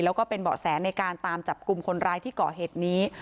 แล้วก็เป็นเบาะแสในการตามจับกลุ่มคนร้ายที่ก่อเหตุนี้